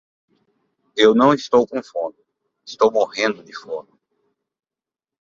Eu não estou com fome, estou morrendo de fome.